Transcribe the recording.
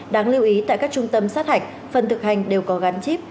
đáng lưu ý tại các trung tâm sát hạch phần thực hành đều có gắn chip